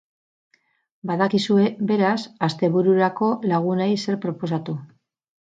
Badakizue, beraz, astebururako lagunei zer proposatu.